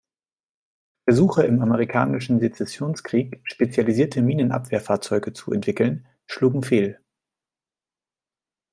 Versuche, im amerikanischen Sezessionskrieg spezialisierte Minenabwehrfahrzeuge zu entwickeln, schlugen fehl.